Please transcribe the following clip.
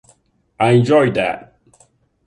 I enjoyed that.